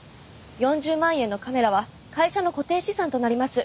４０万円のカメラは会社の固定資産となります。